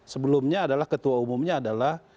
sebelumnya adalah ketua umumnya adalah